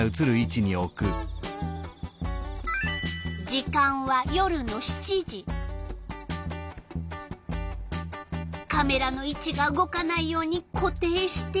時間はカメラの位置が動かないように固定して。